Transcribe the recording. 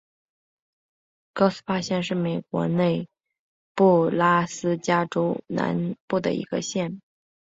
高斯帕县是美国内布拉斯加州南部的一个县。